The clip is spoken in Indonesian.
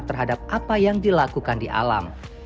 terhadap apa yang dilakukan di alam